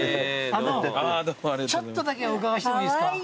ちょっとだけお伺いしてもいいですか？